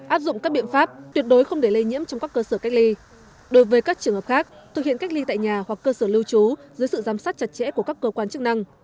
áp dụng các biện pháp tuyệt đối không để lây nhiễm trong các cơ sở cách ly đối với các trường hợp khác thực hiện cách ly tại nhà hoặc cơ sở lưu trú dưới sự giám sát chặt chẽ của các cơ quan chức năng